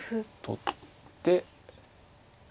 取って。